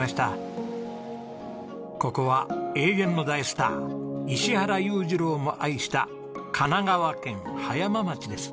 ここは永遠の大スター石原裕次郎も愛した神奈川県葉山町です。